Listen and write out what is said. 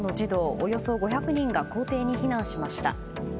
およそ５００人が校庭に避難しました。